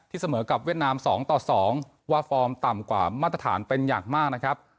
เสมอกับเวียดนาม๒ต่อ๒ว่าฟอร์มต่ำกว่ามาตรฐานเป็นอย่างมากนะครับ